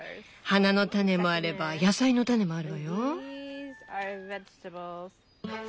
花の種もあれば野菜の種もあるわよ。